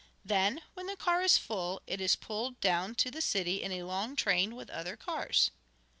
Then, when the car is full, it is pulled down to the city in a long train, with other cars."